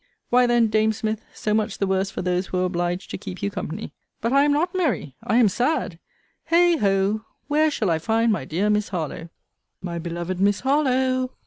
Why then, dame Smith, so much the worse for those who were obliged to keep you company. But I am not merry I am sad! Hey ho! Where shall I find my dear Miss Harlowe? My beloved Miss Harlowe!